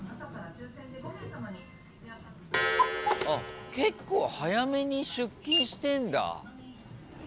あっ結構早めに出勤してんだ。